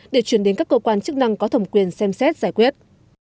để chuyển đến các cơ quan chức năng có thẩm quyền xem xét giải quyết